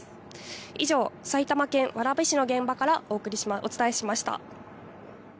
以上、埼玉県蕨市の現場からお伝えしました。